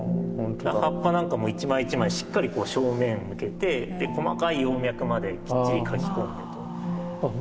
葉っぱなんかも一枚一枚しっかり正面を向けて細かい葉脈まできっちり描き込んでいる。